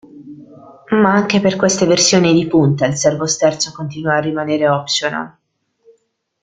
Ma anche per queste versioni di punta il servosterzo continuò a rimanere optional.